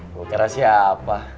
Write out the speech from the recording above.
gue kira siapa